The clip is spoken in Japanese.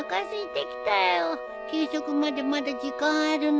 給食までまだ時間あるのに。